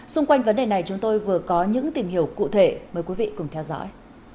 xung quanh vấn đề này chúng tôi vừa có những tìm hiểu cụ thể mời quý vị cùng theo dõi